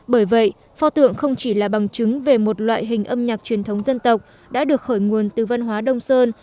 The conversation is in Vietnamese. bởi vậy pho tượng không chỉ là bằng chứng về một loại hình âm nhạc truyền thống dân tộc đã được khởi nguồn từ văn hóa đông sơn